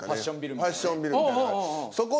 ファッションビルみたいなね。